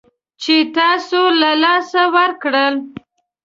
چې تاسو له لاسه ورکړل